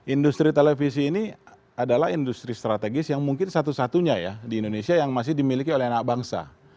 industri televisi ini adalah industri strategis yang mungkin satu satunya ya di indonesia yang masih dimiliki oleh anak bangsa